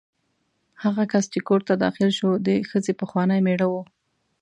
هغه کس چې کور ته داخل شو د ښځې پخوانی مېړه و.